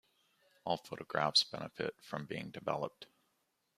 All photographs benefit from being developed.